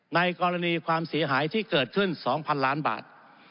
ในกรณีความเสียหายที่เกิดขึ้น๒๐๐๐ล้านบาท